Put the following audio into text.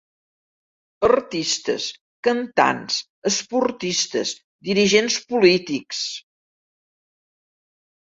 Artistes, cantants, esportistes, dirigents polítics...